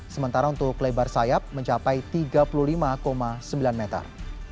sementara untuk lebar sayap mencapai tiga puluh lima sembilan meter